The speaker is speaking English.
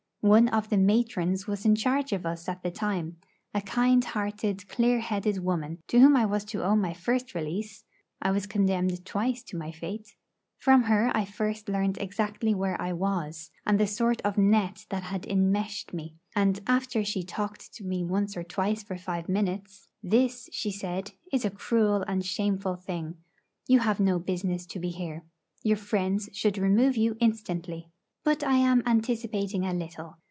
One of the 'matrons' was in charge of us at the time; a kind hearted, clear headed woman, to whom I was to owe my first release (I was condemned twice to my fate). From her first I learned exactly where I was, and the sort of net that had immeshed me; and, after she had talked to me once or twice for five minutes, 'This,' she said, 'is a cruel and a shameful thing. You have no business to be here. Your friends should remove you instantly.' But I am anticipating a little.